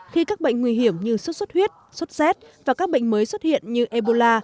khi các bệnh nguy hiểm như suất suất huyết suất xét và các bệnh mới xuất hiện như ebola